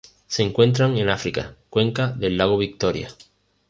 Se encuentran en África: cuenca del lago Victoria.